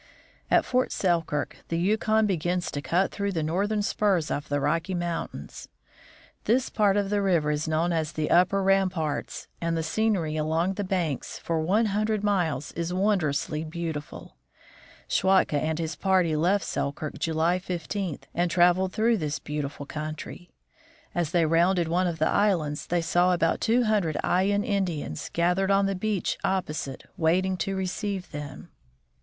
At Fort Selkirk the Yukon begins to cut through the northern spurs of the Rocky mountains. This part of the river is known as the Upper Ramparts, and the scenery along the banks for one hundred miles is wondrously beautiful. Schwatka and his party left Selkirk July 15, and traveled through this beautiful country. As they rounded one of the islands, they saw about two hundred Ayan Indians gathered on the beach opposite, waiting to receive them.